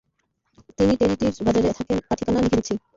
তিনি টেরিটির বাজারে থাকেন, তাঁর ঠিকানা লিখে দিচ্ছি।